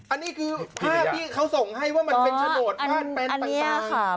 อันนี้คือภาพที่เขาส่งให้ว่ามันเป็นโฉนดพาดแปลงต่าง